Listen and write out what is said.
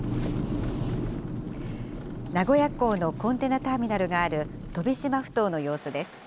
名古屋港のコンテナターミナルがある飛島ふ頭の様子です。